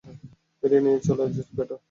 এরে নিয়া চলো বেটা।